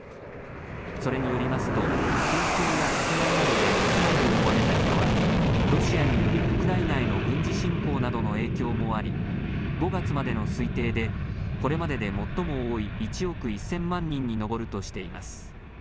それによりますと紛争や迫害などで住まいを追われた人はロシアによるウクライナへの軍事侵攻などの影響もあり５月までの推定でこれまでで最も多い１億１０００万人に上るとしています。